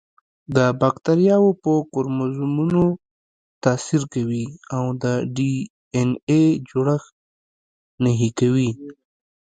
د باکتریاوو په کروموزومونو تاثیر کوي او د ډي این اې جوړښت نهي کوي.